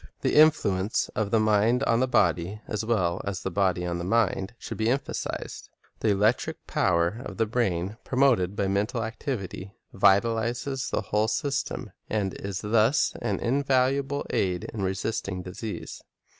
The influence of the mind on the body, as well as influence 01 the Mind of the body on the mind, should be emphasized. The on the Body electric power of the brain, promoted by mental activity, vitalizes the whole system, and is thus an invaluable aid in resisting disease.